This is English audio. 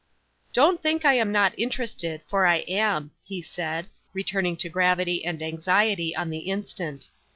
"Don't think I am not interested, for I am," he said, returning to gravity and anxiety on the instant.